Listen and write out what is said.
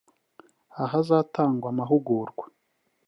ahazatangwa amahugurwa